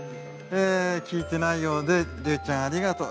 「聞いてないよォ」で「竜ちゃんありがとう」。